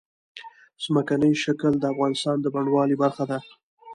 ځمکنی شکل د افغانستان د بڼوالۍ برخه ده.